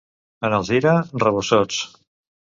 En Alzira, rabosots.